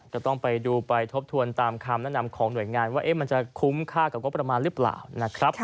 ก็ต้องไปดูไปทบทวนตามคำแนะนำของหน่วยงานว่ามันจะคุ้มค่ากับงบประมาณหรือเปล่านะครับ